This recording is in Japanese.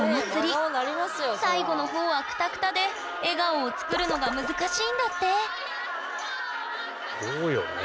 最後の方はクタクタで笑顔を作るのが難しいんだってそうよね。